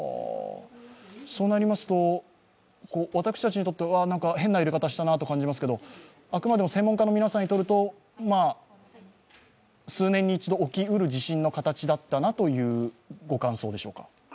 そうなりますと、私たちにとっては変な揺れ方したなと感じますが、あくまでも専門家の皆さんにとると、数年に一度起きうる地震の形だったなというご感想でしょうか。